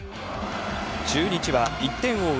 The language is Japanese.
中日は、１点を追う